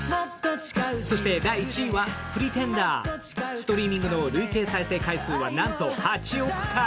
ストリーミングの累計再生回数はなんと８億回。